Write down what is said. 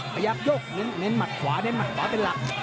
ขยับยกเน้นมัดขวาเน้นมัดขวาเป็นหลัก